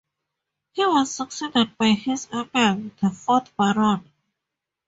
He was succeeded by his uncle, the fourth Baron.